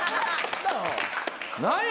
何や？